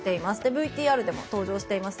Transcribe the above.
ＶＴＲでも登場していました。